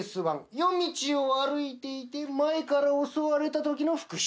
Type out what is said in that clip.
夜道を歩いていて前から襲われたときの復讐。